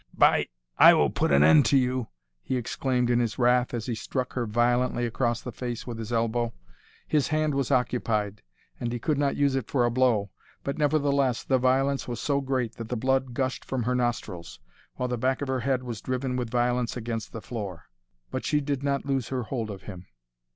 "By—I will put an end to you," he exclaimed, in his wrath, as he struck her violently across the face with his elbow. His hand was occupied, and he could not use it for a blow, but, nevertheless, the violence was so great that the blood gushed from her nostrils, while the back of her head was driven with violence against the floor. But she did not lose her hold of him.